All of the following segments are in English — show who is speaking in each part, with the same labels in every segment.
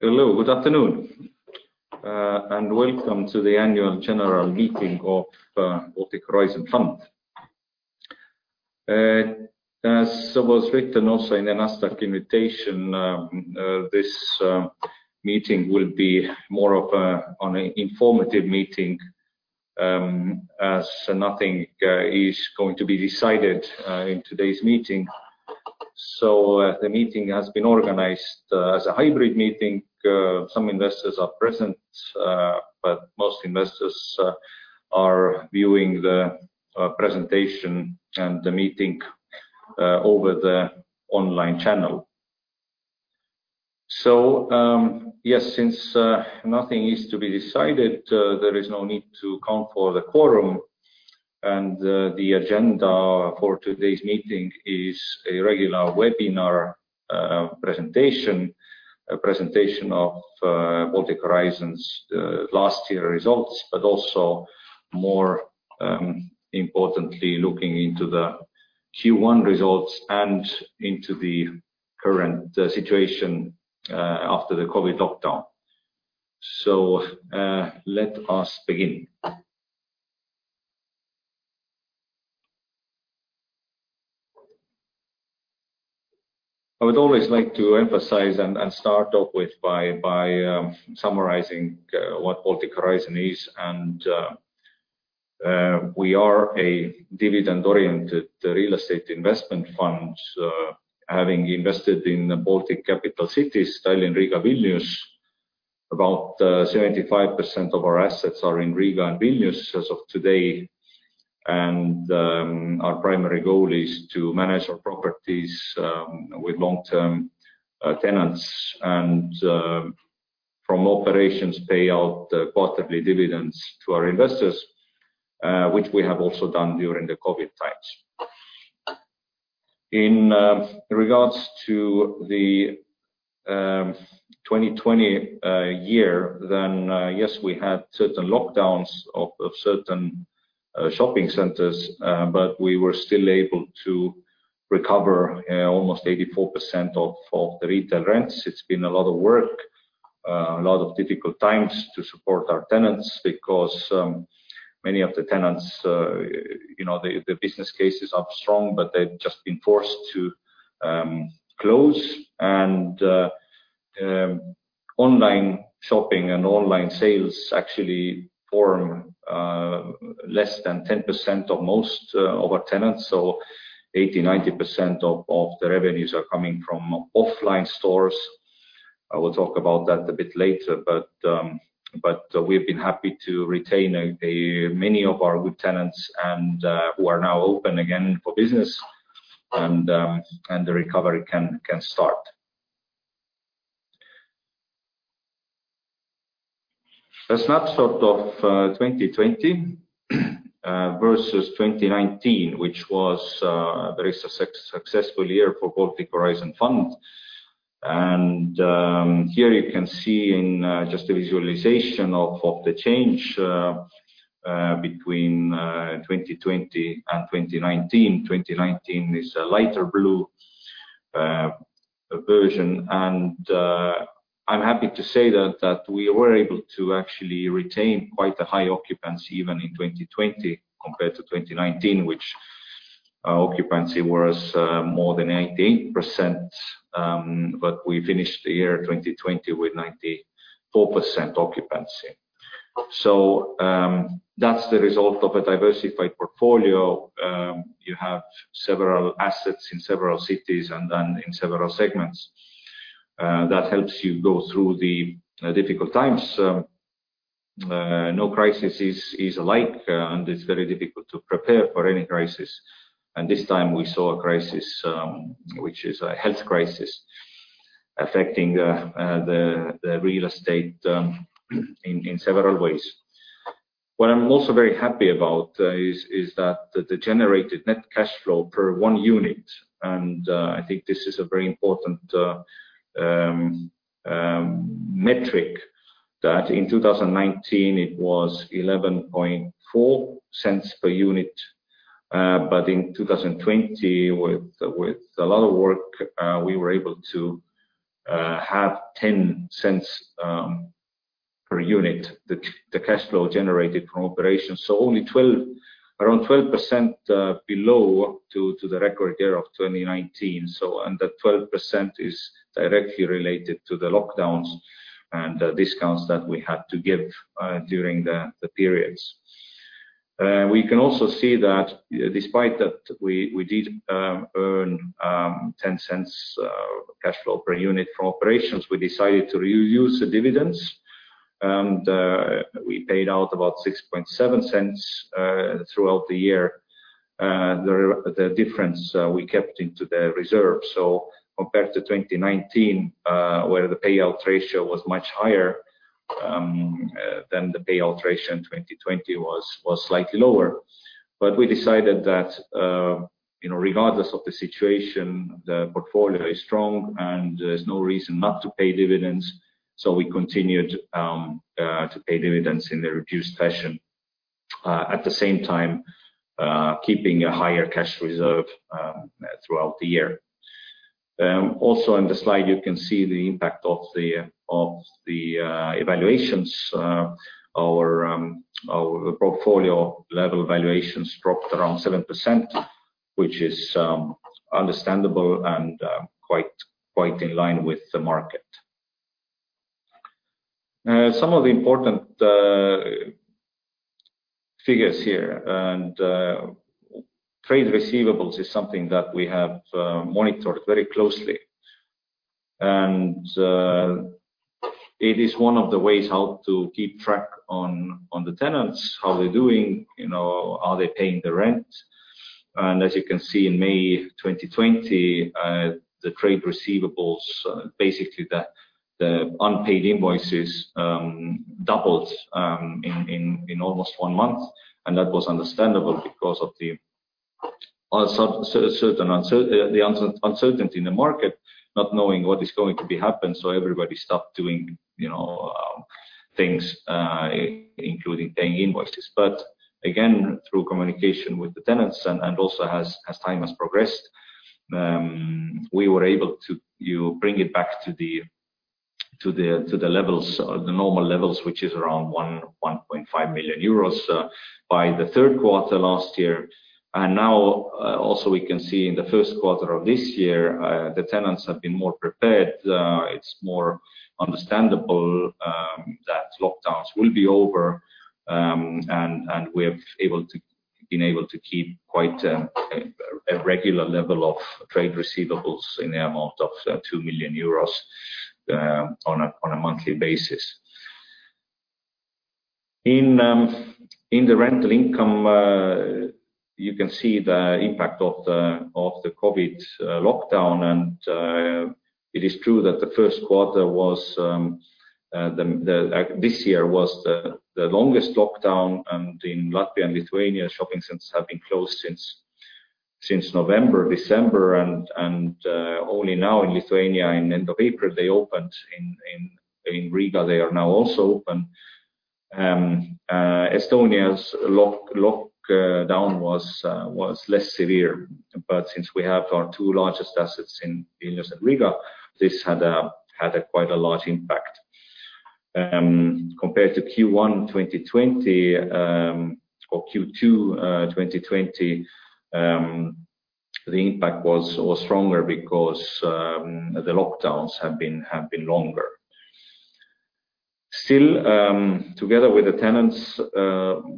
Speaker 1: Hello, good afternoon, welcome to the annual general meeting of Baltic Horizon Fund. As was written also in the last invitation, this meeting will be more of an informative meeting, as nothing is going to be decided in today's meeting. The meeting has been organized as a hybrid meeting. Some investors are present, but most investors are viewing the presentation and the meeting over the online channel. Yes, since nothing is to be decided, there is no need to come for the quorum and the agenda for today's meeting is a regular webinar presentation, a presentation of Baltic Horizon's last year results, but also more importantly, looking into the Q1 results and into the current situation after the COVID lockdown. Let us begin. I would always like to emphasize and start off with by summarizing what Baltic Horizon is. We are a dividend-oriented real estate investment fund, having invested in the Baltic capital cities Tallinn, Riga, Vilnius. About 75% of our assets are in Riga and Vilnius as of today. Our primary goal is to manage our properties with long-term tenants and, from operations, pay out quarterly dividends to our investors, which we have also done during the COVID times. In regards to the 2020 year, then yes, we had certain lockdowns of certain shopping centers, but we were still able to recover almost 84% of the retail rents. It's been a lot of work, a lot of difficult times to support our tenants because many of the tenants, the business cases are strong, but they've just been forced to close. Online shopping and online sales actually form less than 10% of most of our tenants. 80%-90% of the revenues are coming from offline stores. I will talk about that a bit later, but we've been happy to retain many of our good tenants and who are now open again for business and the recovery can start. A snapshot of 2020 versus 2019, which was a very successful year for Baltic Horizon Fund. Here you can see in just a visualization of the change between 2020 and 2019. 2019 is a lighter blue version. I'm happy to say that we were able to actually retain quite a high occupancy even in 2020 compared to 2019, which occupancy was more than 98%, but we finished the year 2020 with 94% occupancy. That's the result of a diversified portfolio. You have several assets in several cities and then in several segments. That helps you go through the difficult times. No crisis is alike. It's very difficult to prepare for any crisis. This time we saw a crisis, which is a health crisis affecting the real estate in several ways. What I'm also very happy about is that the generated net cash flow per one unit, and I think this is a very important metric, that in 2019 it was 0.114 per unit. In 2020, with a lot of work, we were able to have 0.10 per unit, the cash flow generated from operations. Only around 12% below to the record year of 2019. That 12% is directly related to the lockdowns and the discounts that we had to give during the periods. We can also see that despite that we did earn 0.10 cash flow per unit from operations, we decided to reuse the dividends and we paid out about 0.067 throughout the year. The difference we kept into the reserve. Compared to 2019, where the payout ratio was much higher, the payout ratio in 2020 was slightly lower. We decided that regardless of the situation, the portfolio is strong and there's no reason not to pay dividends. We continued to pay dividends in the reduced fashion, at the same time keeping a higher cash reserve throughout the year. In the slide, you can see the impact of the evaluations. Our portfolio level valuations dropped around 7%, which is understandable and quite in line with the market. Some of the important figures here. Trade receivables is something that we have monitored very closely. It is one of the ways how to keep track on the tenants, how they're doing, are they paying the rent? As you can see, in May 2020, the trade receivables, basically the unpaid invoices, doubled in almost one month. That was understandable because of the uncertainty in the market, not knowing what is going to happen. Everybody stopped doing things, including paying invoices. Again, through communication with the tenants and also as time has progressed, we were able to bring it back to the normal levels, which is around 1.5 million euros by the third quarter last year. Now, also we can see in the first quarter of this year, the tenants have been more prepared. It's more understandable that lockdowns will be over. We have been able to keep quite a regular level of trade receivables in the amount of 2 million euros on a monthly basis. In the rental income, you can see the impact of the COVID lockdown. It is true that the first quarter this year was the longest lockdown. In Latvia and Lithuania, shopping centers have been closed since November, December. Only now in Lithuania, in end of April, they opened. In Riga, they are now also open. Estonia's lockdown was less severe, but since we have our two largest assets in Vilnius and Riga, this had quite a large impact. Compared to Q1 2020 or Q2 2020, the impact was stronger because the lockdowns have been longer. Still, together with the tenants,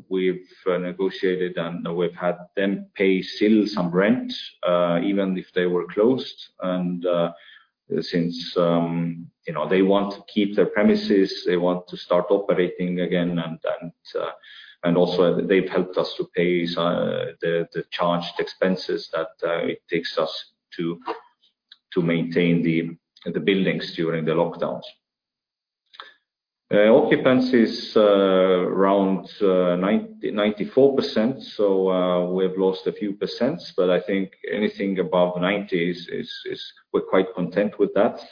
Speaker 1: we've negotiated, and we've had them pay still some rent even if they were closed. Since they want to keep their premises, they want to start operating again. Also they've helped us to pay the charged expenses that it takes us to maintain the buildings during the lockdowns. Occupancy is around 94%, so we've lost a few percents. I think anything above 90s we're quite content with that.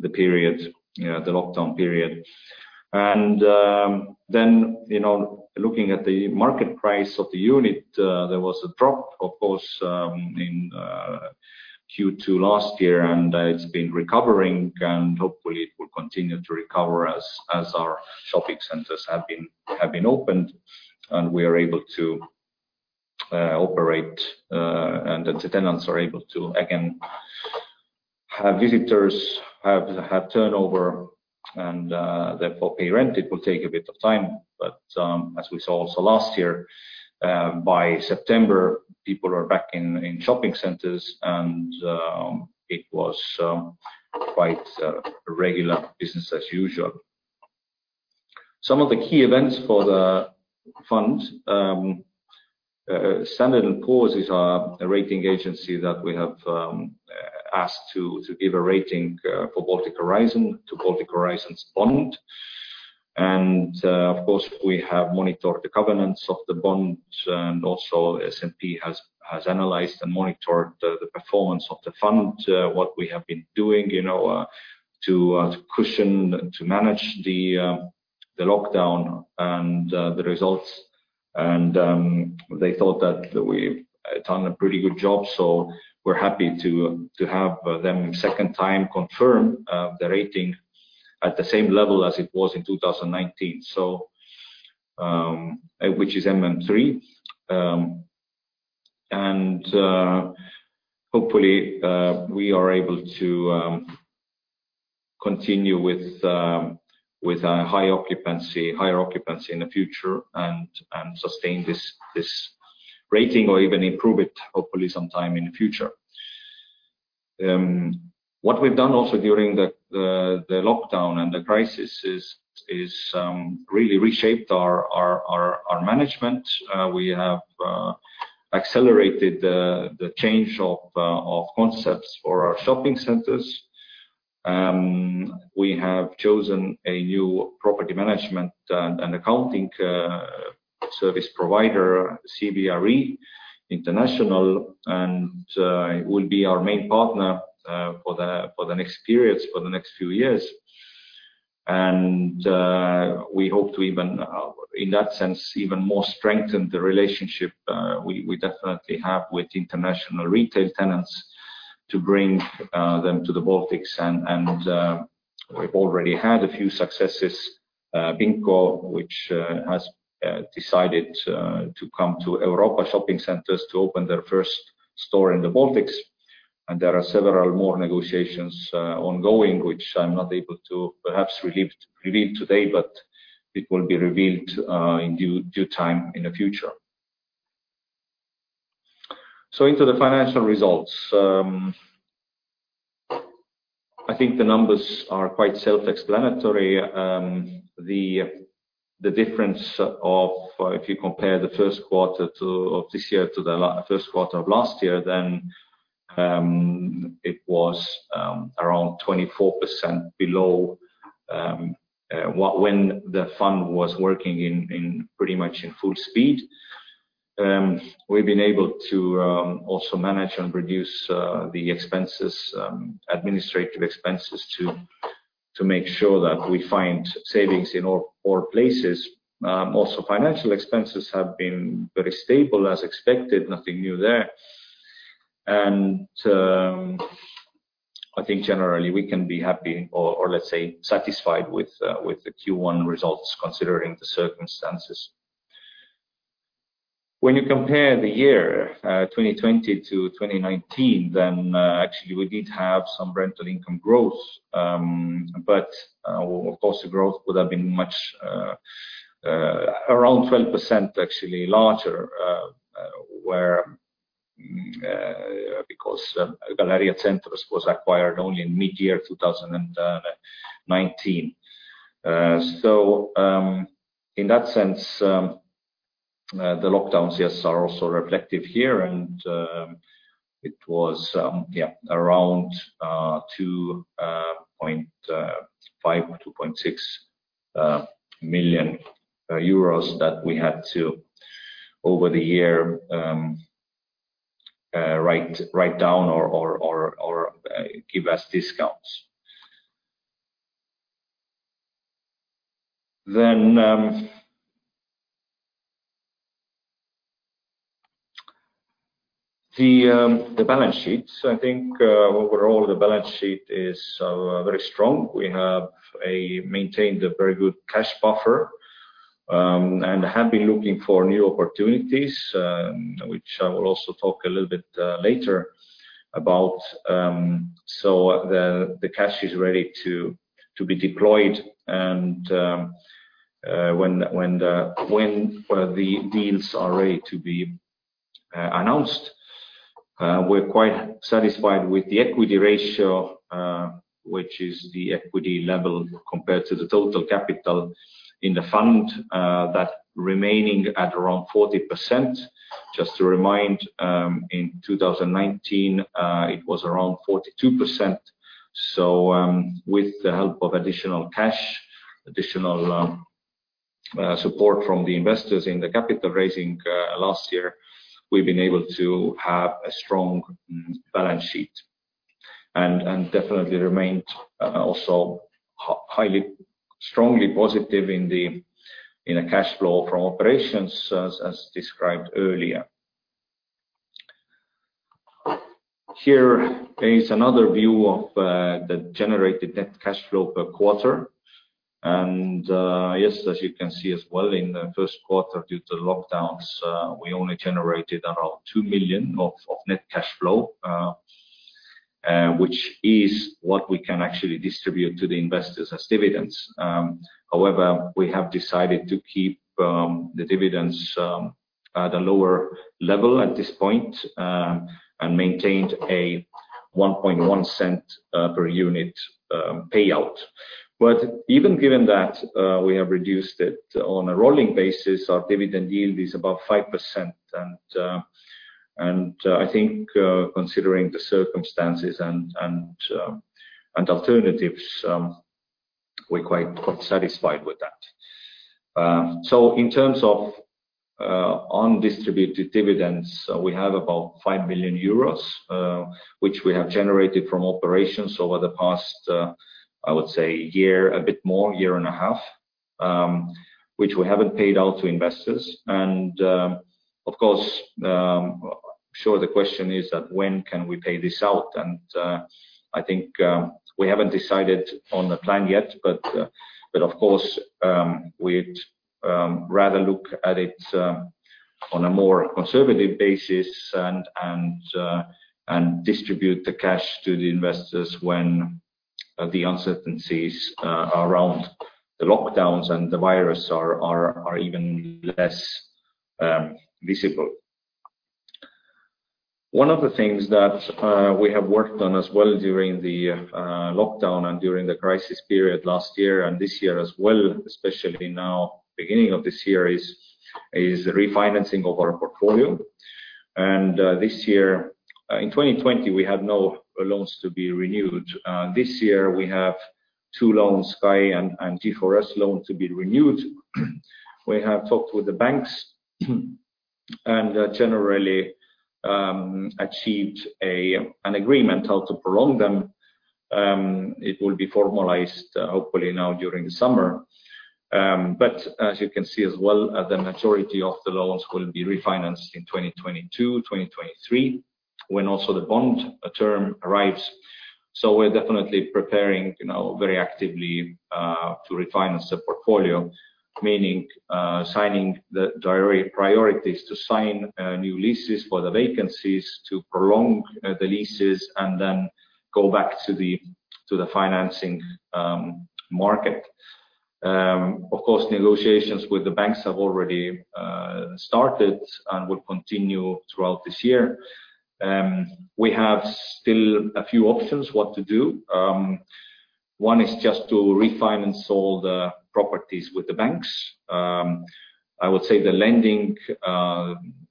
Speaker 1: It also demonstrates how strong our office segment has been to support the lockdown period. Then looking at the market price of the unit there was a drop, of course, in Q2 last year. It's been recovering, and hopefully it will continue to recover as our shopping centers have been opened, and we are able to operate. That the tenants are able to again have visitors, have turnover and therefore pay rent. It will take a bit of time, but as we saw also last year by September, people are back in shopping centers, and it was quite a regular business as usual. Some of the key events for the fund. Standard & Poor's is a rating agency that we have asked to give a rating for Baltic Horizon, to Baltic Horizon's bond. Of course, we have monitored the governance of the bond and also S&P has analyzed and monitored the performance of the fund. What we have been doing to cushion, to manage the lockdown and the results. They thought that we've done a pretty good job. We're happy to have them second time confirm the rating at the same level as it was in 2019. Which is MM3. Hopefully, we are able to continue with a higher occupancy in the future and sustain this rating or even improve it hopefully sometime in the future. What we've done also during the lockdown and the crisis is really reshaped our management. We have accelerated the change of concepts for our shopping centers. We have chosen a new property management and accounting service provider CBRE Group. It will be our main partner for the next few years. We hope to, in that sense, even more strengthen the relationship we definitely have with international retail tenants to bring them to the Baltics. We've already had a few successes, Benco, which has decided to come to Europa Shopping Center to open their first store in the Baltics. There are several more negotiations ongoing, which I’m not able to perhaps reveal today, but it will be revealed in due time in the future. Into the financial results. I think the numbers are quite self-explanatory. The difference, if you compare the first quarter of this year to the first quarter of last year, then it was around 24% below, when the fund was working pretty much in full speed. We’ve been able to also manage and reduce the administrative expenses to make sure that we find savings in all places. Also, financial expenses have been very stable as expected. Nothing new there. I think generally we can be happy or let’s say satisfied with the Q1 results, considering the circumstances. When you compare the year 2020 to 2019, then actually we did have some rental income growth. Of course the growth would have been around 12% actually larger, because Galerija Centrs was acquired only in mid-year 2019. In that sense, the lockdowns, yes, are also reflected here and it was around 2.5 million-2.6 million euros that we had to, over the year, write down or give us discounts. The balance sheets. I think, overall the balance sheet is very strong. We have maintained a very good cash buffer, and have been looking for new opportunities, which I will also talk a little bit later about. The cash is ready to be deployed and when the deals are ready to be announced. We're quite satisfied with the equity ratio, which is the equity level compared to the total capital in the fund, that remaining at around 40%. Just to remind, in 2019, it was around 42%. With the help of additional cash, additional support from the investors in the capital raising last year, we've been able to have a strong balance sheet and definitely remained also strongly positive in the cash flow from operations as described earlier. Here is another view of the generated net cash flow per quarter. Yes, as you can see as well in the first quarter, due to lockdowns, we only generated around 2 million of net cash flow, which is what we can actually distribute to the investors as dividends. However, we have decided to keep the dividends at a lower level at this point, and maintained a 0.011 per unit payout. Even given that, we have reduced it on a rolling basis, our dividend yield is about 5%. I think, considering the circumstances and alternatives, we're quite satisfied with that. In terms of undistributed dividends, we have about 5 million euros, which we have generated from operations over the past, I would say a bit more year and a half, which we haven't paid out to investors. Of course, sure the question is that when can we pay this out? I think, we haven't decided on the plan yet, but of course, we'd rather look at it on a more conservative basis and distribute the cash to the investors when the uncertainties around the lockdowns and the virus are even less visible. One of the things that we have worked on as well during the lockdown and during the crisis period last year and this year as well, especially now, beginning of this year, is refinancing of our portfolio. In 2020, we had no loans to be renewed. This year, we have two loans, Sky and G4S loan, to be renewed. We have talked with the banks and generally achieved an agreement how to prolong them. It will be formalized hopefully now during the summer. We're definitely preparing very actively to refinance the portfolio, meaning assigning the priorities to sign new leases for the vacancies, to prolong the leases, and then go back to the financing market. Negotiations with the banks have already started and will continue throughout this year. We have still a few options what to do. One is just to refinance all the properties with the banks. I would say the lending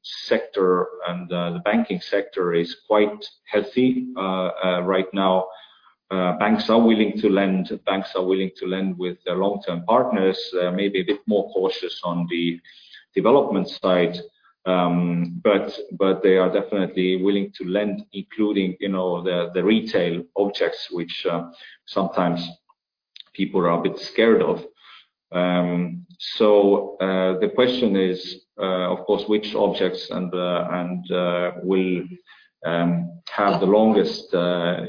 Speaker 1: sector and the banking sector is quite healthy right now. Banks are willing to lend with their long-term partners. They may be a bit more cautious on the development side. They are definitely willing to lend, including the retail objects, which sometimes people are a bit scared of. The question is, of course, which objects and will have the longest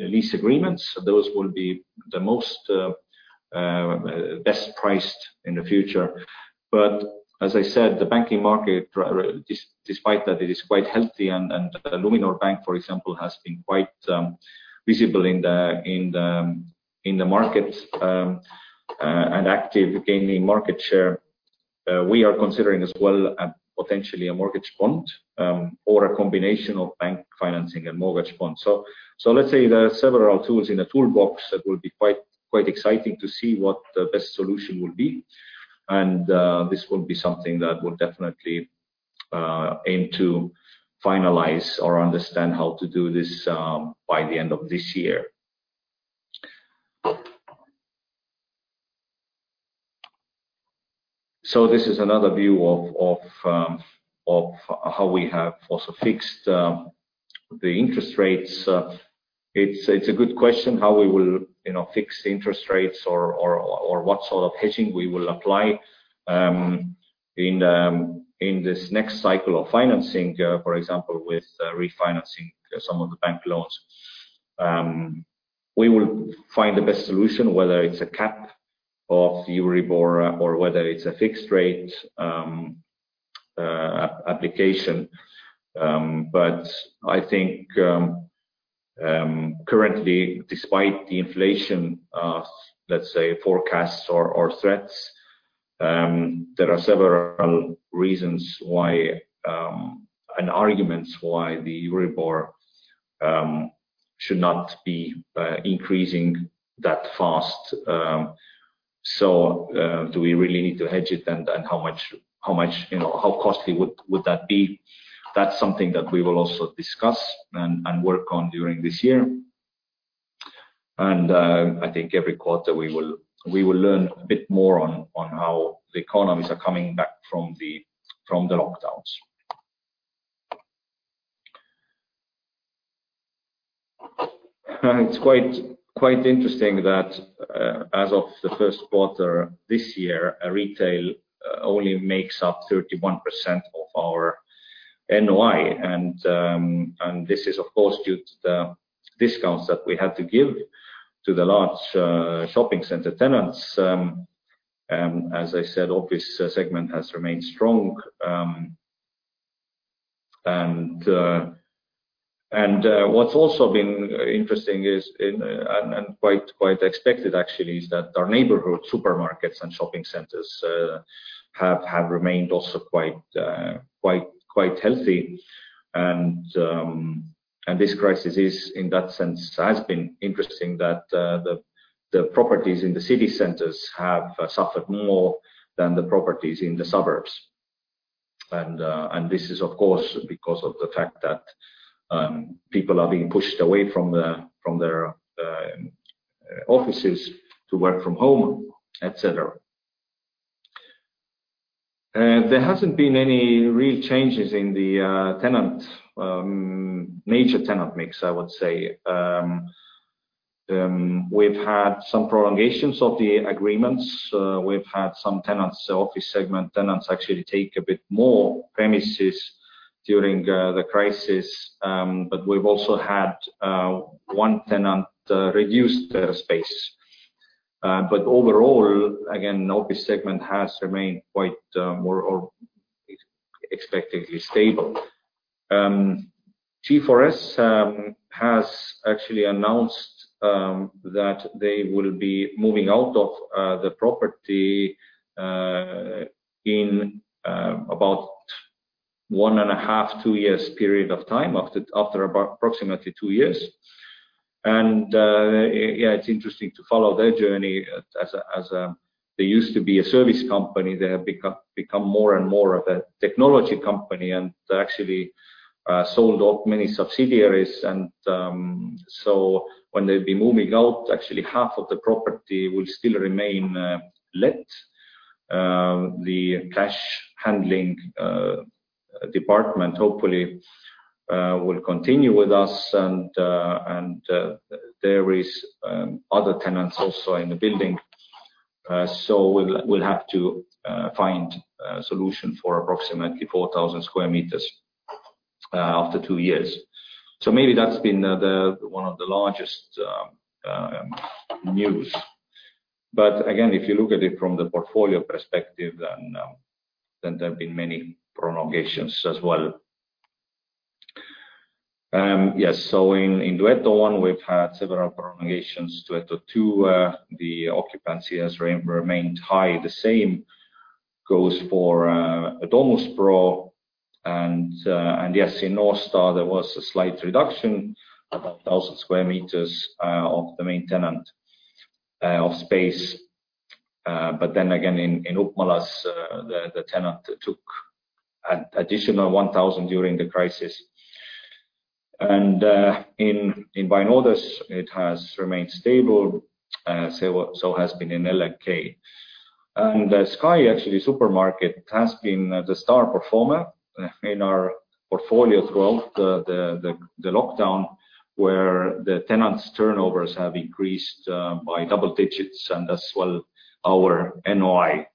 Speaker 1: lease agreements. Those will be the most best priced in the future. As I said, the banking market, despite that it is quite healthy and Luminor Bank, for example, has been quite visible in the market and active in gaining market share. We are considering as well, potentially a mortgage bond or a combination of bank financing and mortgage bond. Let's say there are several tools in the toolbox that will be quite exciting to see what the best solution will be. This will be something that we'll definitely aim to finalize or understand how to do this by the end of this year. This is another view of how we have also fixed the interest rates. It's a good question, how we will fix interest rates or what sort of hedging we will apply in this next cycle of financing, for example, with refinancing some of the bank loans. We will find the best solution, whether it's a cap of Euribor or whether it's a fixed rate application. I think currently, despite the inflation, let's say forecasts or threats, there are several reasons why and arguments why the Euribor should not be increasing that fast. Do we really need to hedge it and how costly would that be? That's something that we will also discuss and work on during this year. I think every quarter, we will learn a bit more on how the economies are coming back from the lockdowns. It's quite interesting that as of the first quarter this year, retail only makes up 31% of our NOI, and this is, of course, due to the discounts that we had to give to the large shopping center tenants. As I said, office segment has remained strong. What's also been interesting and quite expected actually, is that our neighborhood supermarkets and shopping centers have remained also quite healthy. This crisis is in that sense, has been interesting that the properties in the city centers have suffered more than the properties in the suburbs. This is, of course, because of the fact that people are being pushed away from their offices to work from home, et cetera. There hasn't been any real changes in the major tenant mix, I would say. We've had some prolongations of the agreements. We've had some office segment tenants actually take a bit more premises during the crisis. We've also had one tenant reduce their space. Overall, again, office segment has remained quite more expectantly stable. G4S has actually announced that they will be moving out of the property in about one and a half, two years period of time, after approximately two years. It's interesting to follow their journey. They used to be a service company, they have become more and more of a technology company, and they actually sold off many subsidiaries. When they'll be moving out, actually half of the property will still remain let. The cash handling department hopefully will continue with us and there is other tenants also in the building. We'll have to find a solution for approximately 4,000 sq m after two years. Maybe that's been one of the largest news. Again, if you look at it from the portfolio perspective, there have been many prolongations as well. Yes. In Duetto I, we've had several prolongations. Duetto II, the occupancy has remained high. The same goes for Domus Pro. Yes, in North Star, there was a slight reduction, about 1,000 sq m of the main tenant of space. Again, in Upmalas the tenant took an additional 1,000 during the crisis. In Vainodes, it has remained stable, so has been in LNK. Sky actually Supermarket has been the star performer in our portfolio throughout the lockdown, where the tenants' turnovers have increased by double digits and as well our NOI.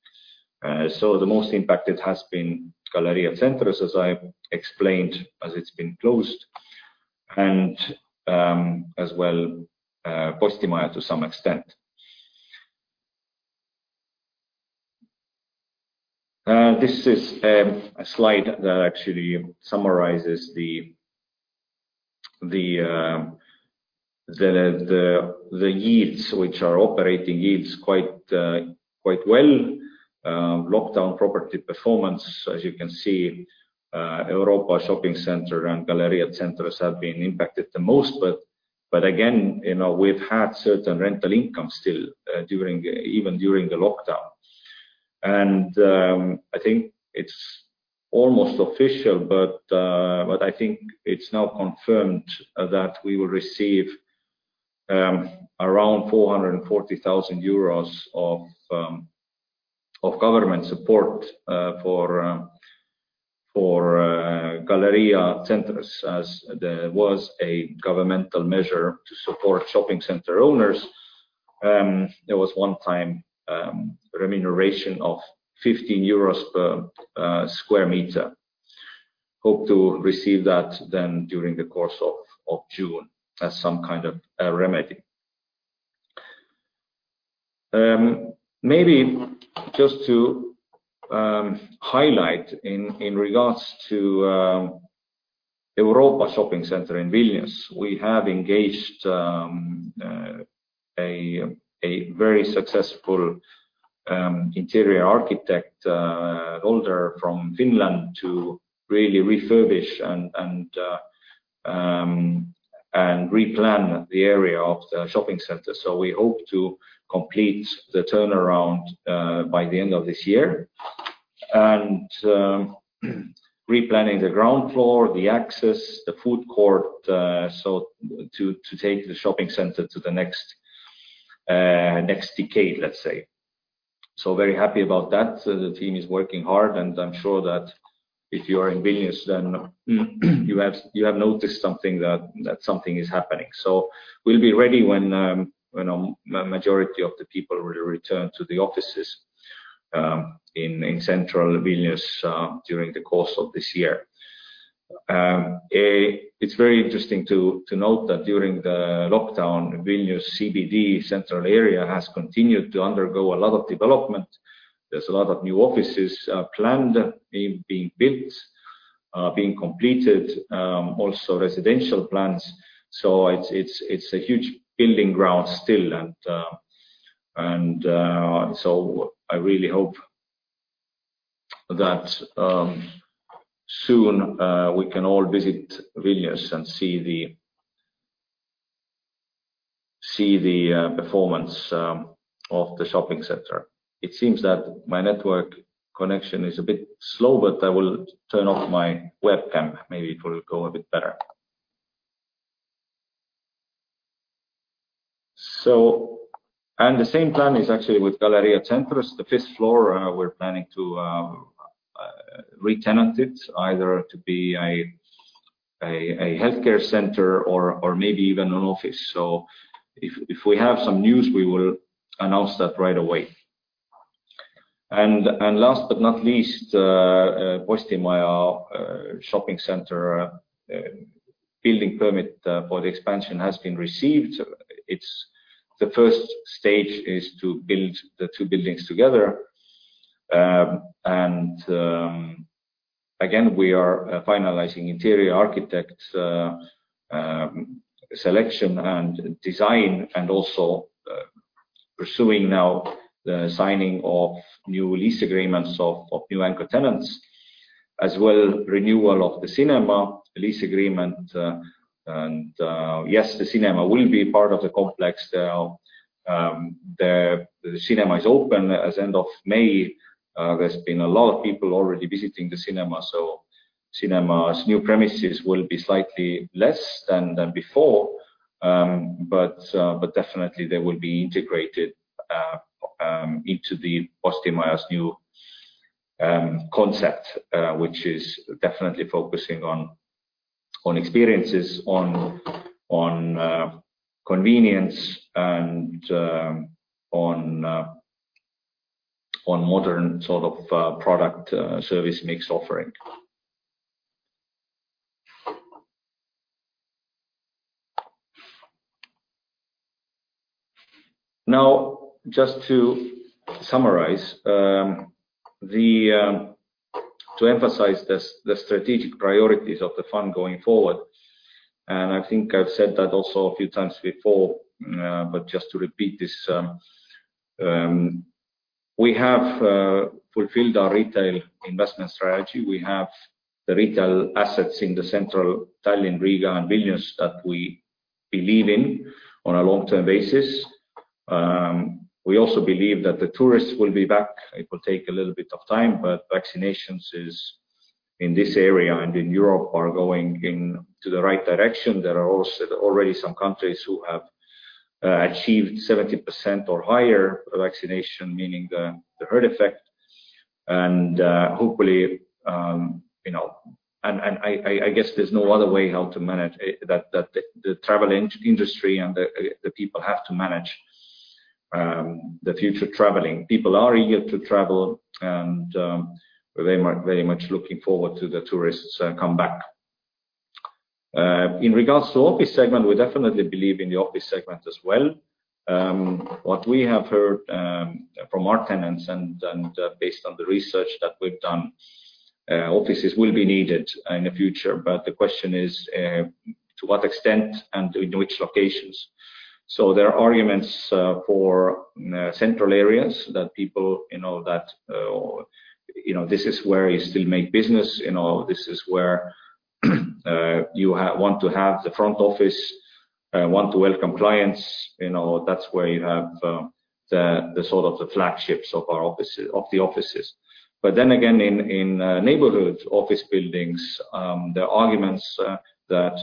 Speaker 1: The most impacted has been Galerija Centrs, as I explained, as it's been closed, and as well Postimaja to some extent. This is a slide that actually summarizes the yields, which are operating yields quite well. Lockdown property performance, as you can see, Europa Shopping Center and Galerija Centrs have been impacted the most. Again, we've had certain rental income still even during the lockdown. I think it's almost official, but I think it's now confirmed that we will receive around 440,000 euros of government support for Galerija Centrs, as there was a governmental measure to support shopping center owners. There was one-time remuneration of 15 euros per sq m. Hope to receive that then during the course of June as some kind of remedy. Maybe just to highlight in regards to Europa Shopping Center in Vilnius. We have engaged a very successful interior architect Alvar Aalto from Finland to really refurbish and replan the area of the shopping center. We hope to complete the turnaround by the end of this year. Replanning the ground floor, the access, the food court, so to take the shopping center to the next decade, let's say. Very happy about that. The team is working hard, and I'm sure that if you are in Vilnius, then you have noticed that something is happening. We'll be ready when majority of the people will return to the offices in central Vilnius during the course of this year. It's very interesting to note that during the lockdown, Vilnius CBD central area has continued to undergo a lot of development. There's a lot of new offices planned, being built, being completed. Also residential plans. It's a huge building ground still. I really hope that soon we can all visit Vilnius and see the performance of the shopping center. It seems that my network connection is a bit slow, I will turn off my webcam. Maybe it will go a bit better. The same plan is actually with Galerija Centrs. The fifth floor, we're planning to retenant it either to be a healthcare center or maybe even an office. If we have some news, we will announce that right away. Last but not least, Postimaja Shopping Center building permit for the expansion has been received. The first stage is to build the two buildings together. Again, we are finalizing interior architect selection and design and also pursuing now the signing of new lease agreements of new anchor tenants, as well renewal of the cinema lease agreement. Yes, the cinema will be part of the complex. The cinema is open as end of May. There's been a lot of people already visiting the cinema, so cinema's new premises will be slightly less than before. Definitely they will be integrated into the Postimaja's new concept, which is definitely focusing on experiences, on convenience, and on modern product service mix offering. Just to summarize, to emphasize the strategic priorities of the fund going forward, and I think I've said that also a few times before, but just to repeat this, we have fulfilled our retail investment strategy. We have the retail assets in the central Tallinn, Riga, and Vilnius that we believe in on a long-term basis. We also believe that the tourists will be back. It will take a little bit of time, but vaccinations in this area and in Europe are going in the right direction. There are already some countries who have achieved 70% or higher vaccination, meaning the herd effect. Hopefully, and I guess there's no other way how to manage, that the travel industry and the people have to manage the future traveling. People are eager to travel and we're very much looking forward to the tourists' comeback. In regards to office segment, we definitely believe in the office segment as well. What we have heard from our tenants and based on the research that we've done, offices will be needed in the future, but the question is to what extent and in which locations. There are arguments for central areas that people, this is where you still make business. This is where you want to have the front office, want to welcome clients. That's where you have the flagships of the offices. Then again, in neighborhood office buildings, the arguments that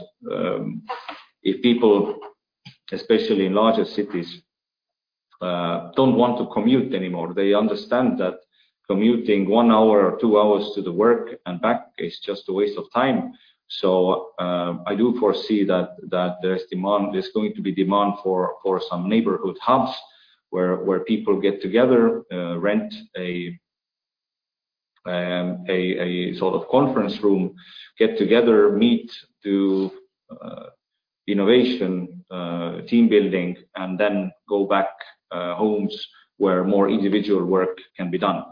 Speaker 1: if people, especially in larger cities, don't want to commute anymore, they understand that commuting one hour or two hours to the work and back is just a waste of time. I do foresee that there's going to be demand for some neighborhood hubs where people get together, rent a conference room, get together, meet, do innovation, team building, and then go back homes where more individual work can be done.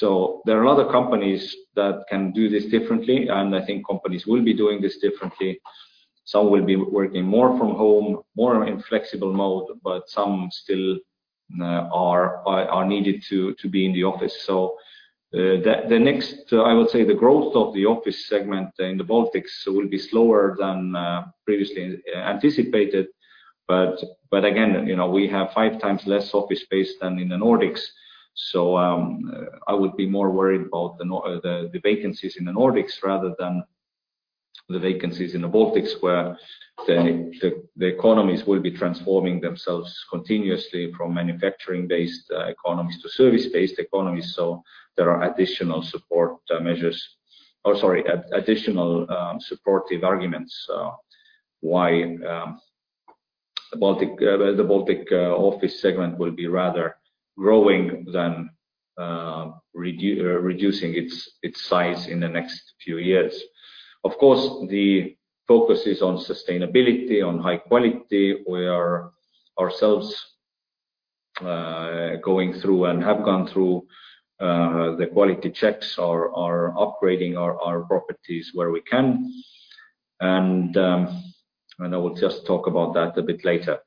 Speaker 1: There are a lot of companies that can do this differently, and I think companies will be doing this differently. Some will be working more from home, more in flexible mode, but some still are needed to be in the office. The next, I would say, the growth of the office segment in the Baltics will be slower than previously anticipated. Again, we have five times less office space than in the Nordics. I would be more worried about the vacancies in the Nordics rather than the vacancies in the Baltics, where the economies will be transforming themselves continuously from manufacturing-based economies to service-based economies. There are additional supportive arguments why the Baltic office segment will be rather growing than reducing its size in the next few years. Of course, the focus is on sustainability, on high quality. We are ourselves going through and have gone through the quality checks, are upgrading our properties where we can, and I will just talk about that a bit later.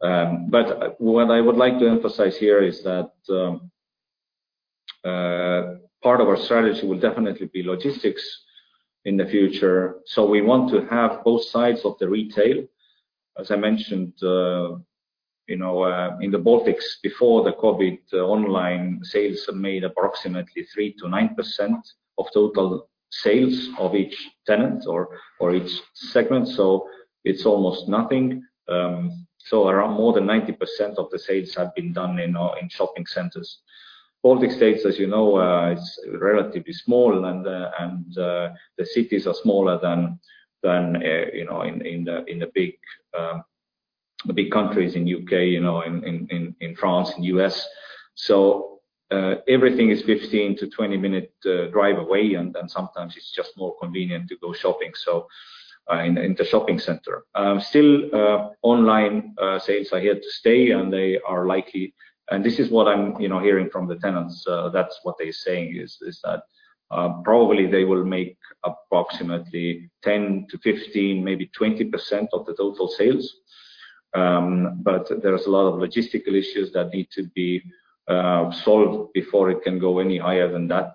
Speaker 1: What I would like to emphasize here is that part of our strategy will definitely be logistics in the future. We want to have both sides of the retail. As I mentioned, in the Baltics before the COVID, online sales made approximately 3%-9% of total sales of each tenant or each segment, so it's almost nothing. Around more than 90% of the sales have been done in shopping centers. Baltics, as you know, is relatively small, and the cities are smaller than in the big countries, in U.K., in France, in U.S. Everything is 15-20-minute drive away, and sometimes it's just more convenient to go shopping in the shopping center. Still, online sales are here to stay, and they are likely, and this is what I'm hearing from the tenants. That's what they're saying is that, probably they will make approximately 10%-15%, maybe 20% of the total sales. There's a lot of logistical issues that need to be solved before it can go any higher than that.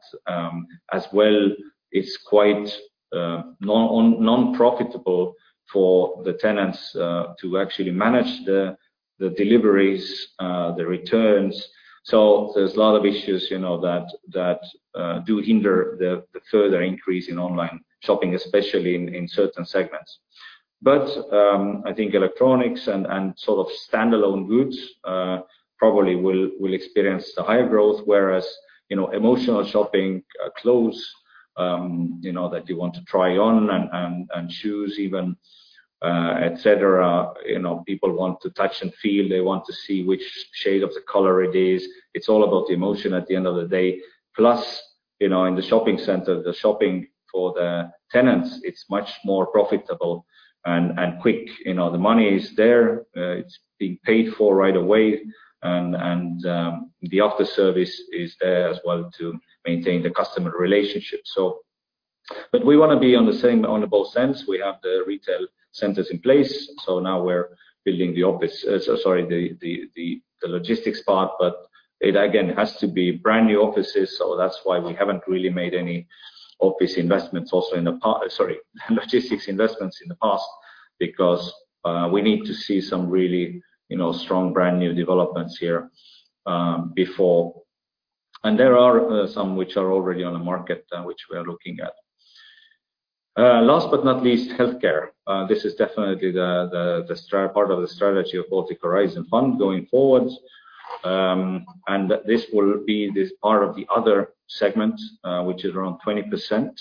Speaker 1: It's quite non-profitable for the tenants to actually manage the deliveries, the returns. There's a lot of issues that do hinder the further increase in online shopping, especially in certain segments. I think electronics and standalone goods probably will experience the higher growth, whereas emotional shopping, clothes that you want to try on, and shoes even, et cetera. People want to touch and feel. They want to see which shade of the color it is. It's all about the emotion at the end of the day. In the shopping center, the shopping for the tenants, it's much more profitable and quick. The money is there. It's being paid for right away. The after service is there as well to maintain the customer relationship. We want to be on the same honorable sense. We have the retail centers in place, so now we're building the logistics part, but it, again, has to be brand new offices. That's why we haven't really made any logistics investments in the past because we need to see some really strong brand new developments here before. There are some which are already on the market which we are looking at. Last but not least, healthcare. This is definitely the part of the strategy of Baltic Horizon Fund going forwards. This will be this part of the other segment, which is around 20%.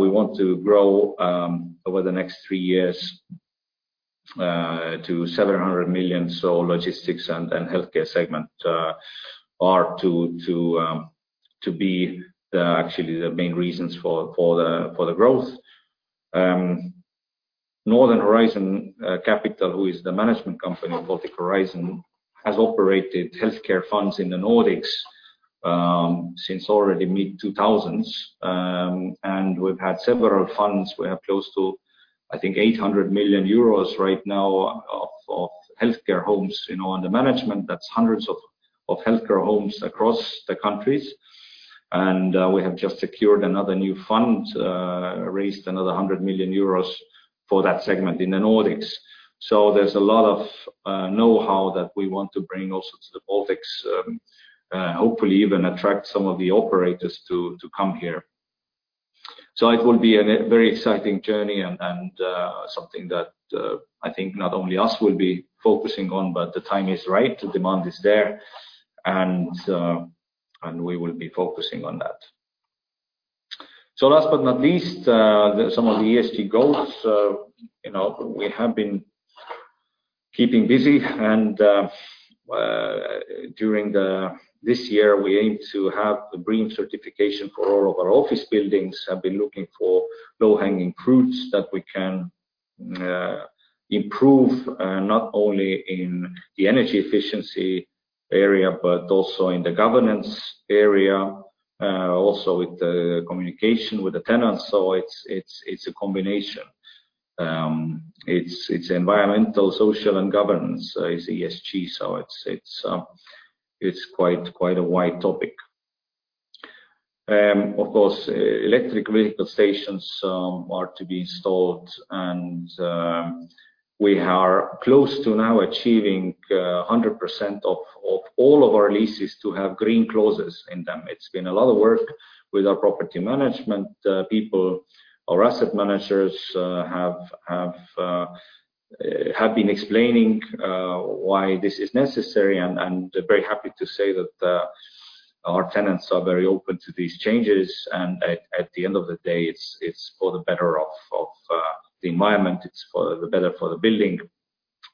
Speaker 1: We want to grow over the next three years to 700 million. Logistics and healthcare segment are to be actually the main reasons for the growth. Northern Horizon Capital, who is the management company of Baltic Horizon, has operated healthcare funds in the Nordics since already mid-2000s. We've had several funds. We have close to, I think, 800 million euros right now of healthcare homes under management. That's hundreds of healthcare homes across the countries. We have just secured another new fund, raised another 100 million euros for that segment in the Nordics. There's a lot of know-how that we want to bring also to the Baltics. Hopefully even attract some of the operators to come here. It will be a very exciting journey and something that I think not only us will be focusing on, but the time is right. The demand is there, and we will be focusing on that. Last but not least, some of the ESG goals. We have been keeping busy and during this year, we aim to have the BREEAM certification for all of our office buildings. Have been looking for low-hanging fruits that we can improve, not only in the energy efficiency area, but also in the governance area. Also with the communication with the tenants. It's a combination. It's environmental, social, and governance is ESG, it's quite a wide topic. Of course, electric vehicle stations are to be installed. We are close to now achieving 100% of all of our leases to have green clauses in them. It's been a lot of work with our property management people. Our asset managers have been explaining why this is necessary, and very happy to say that our tenants are very open to these changes. At the end of the day, it's for the better of the environment. It's for the better for the building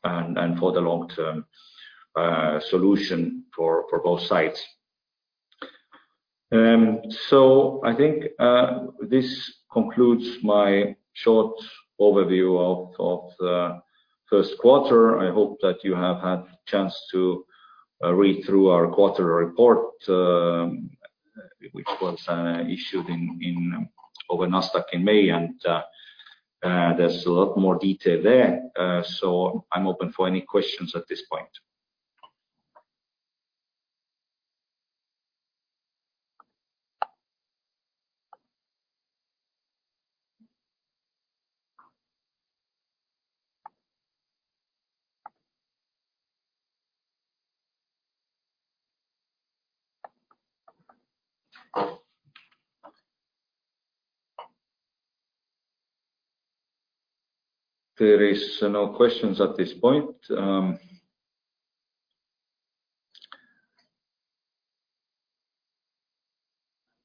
Speaker 1: and for the long-term solution for both sides. I think this concludes my short overview of the first quarter. I hope that you have had the chance to read through our quarterly report which was issued over Nasdaq in May. There's a lot more detail there. I'm open for any questions at this point. There is no questions at this point.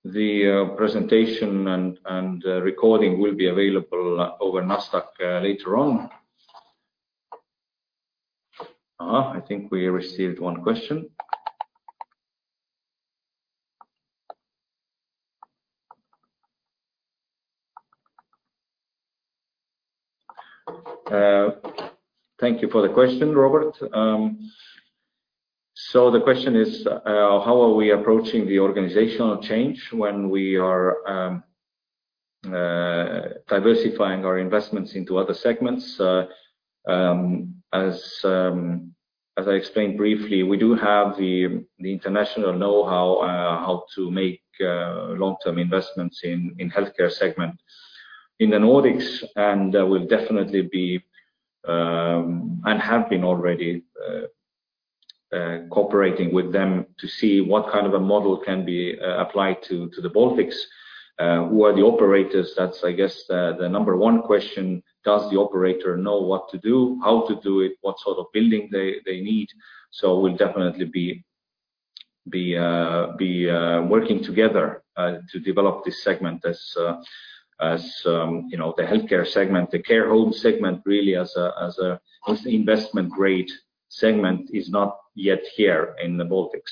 Speaker 1: The presentation and recording will be available over Nasdaq later on. I think we received one question. Thank you for the question, Robert. The question is, how are we approaching the organizational change when we are diversifying our investments into other segments? As I explained briefly, we do have the international know-how to make long-term investments in healthcare segment in the Nordics, and we'll definitely be, and have been already, cooperating with them to see what kind of a model can be applied to the Baltics. Who are the operators? That's, I guess, the number one question. Does the operator know what to do, how to do it, what sort of building they need? We'll definitely be working together, to develop this segment as the healthcare segment, the care home segment, really as an investment grade segment is not yet here in the Baltics.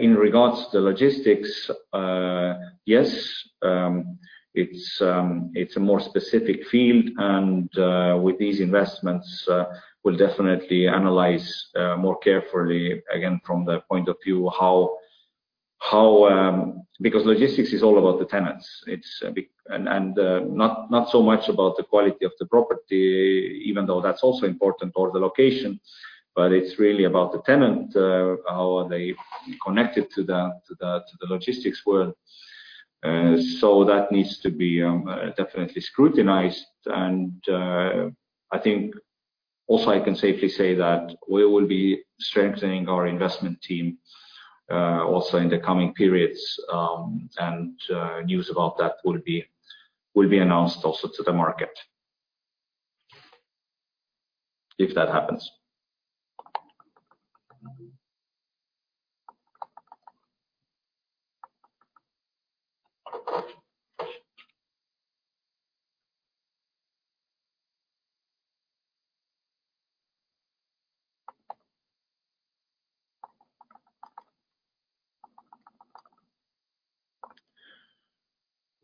Speaker 1: In regards to logistics, yes, it's a more specific field and, with these investments, we'll definitely analyze more carefully, again, from the point of view, because logistics is all about the tenants. Not so much about the quality of the property, even though that's also important or the location, but it's really about the tenant, how are they connected to the logistics world. That needs to be definitely scrutinized and, I think also I can safely say that we will be strengthening our investment team, also in the coming periods. News about that will be announced also to the market. If that happens.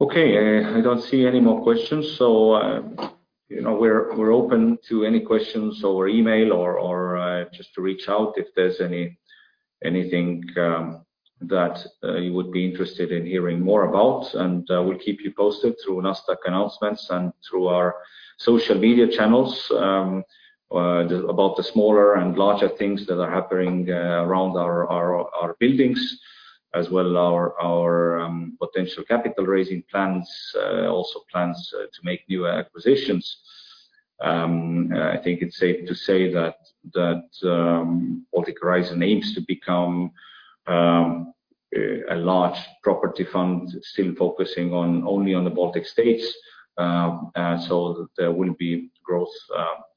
Speaker 1: Okay, I don't see any more questions. We're open to any questions over email or just to reach out if there's anything that you would be interested in hearing more about. We'll keep you posted through Nasdaq announcements and through our social media channels, about the smaller and larger things that are happening around our buildings, as well our potential capital raising plans, also plans to make new acquisitions. I think it's safe to say that Baltic Horizon aims to become a large property fund still focusing only on the Baltic States. There will be growth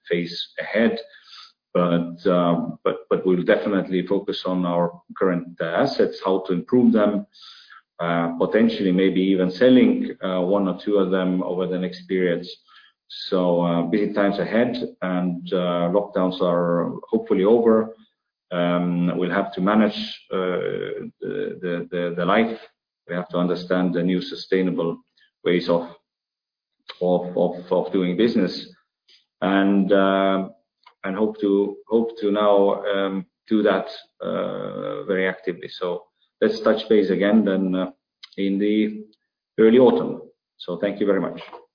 Speaker 1: phase ahead. We'll definitely focus on our current assets, how to improve them, potentially maybe even selling one or two of them over the next periods. Big times ahead and lockdowns are hopefully over. We'll have to manage the life. We have to understand the new sustainable ways of doing business and hope to now do that very actively. Let's touch base again then in the early autumn. Thank you very much.